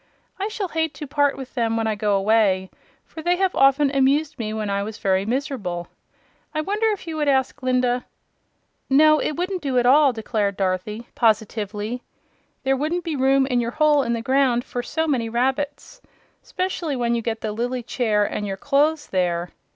"I shall hate to part with them when I go away, for they have often amused me when I was very miserable. I wonder if you would ask Glinda " "No, it wouldn't do at all," declared Dorothy, positively. "There wouldn't be room in your hole in the ground for so many rabbits, 'spec'ly when you get the lily chair and your clothes there.